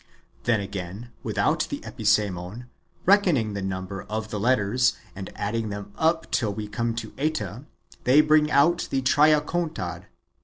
Then, again, without the Episemon, reckoning the number of the letters, and adding them up till we come to Eta, they bring out the Triacontad.